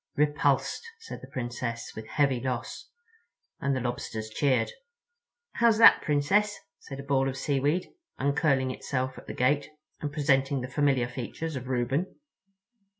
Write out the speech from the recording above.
"Repulsed," said the Princess, "with heavy loss"—and the Lobsters cheered. "How's that, Princess?" said a ball of seaweed, uncurling itself at the gate and presenting the familiar features of Reuben.